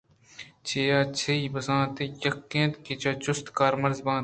چے ءُ چی ءِ بزانت یک اِنت کہ پہ جُست ءَ کارمرز بنت.